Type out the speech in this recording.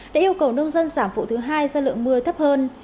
đã yêu cầu nông dân giảm vụ thứ hai do lượng mưa thấp hơn